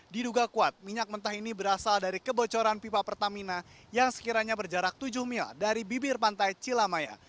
diduga kuat minyak mentah ini berasal dari kebocoran pipa pertamina yang sekiranya berjarak tujuh mil dari bibir pantai cilamaya